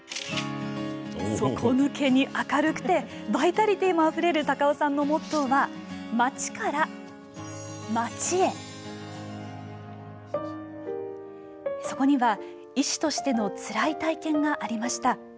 底抜けに明るくてバイタリティーもあふれる高尾さんのモットーはそこには医師としてのつらい体験がありました。